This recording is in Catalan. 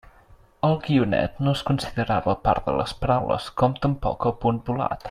El guionet no es considerava part de les paraules, com tampoc el punt volat.